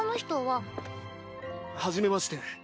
はじめまして。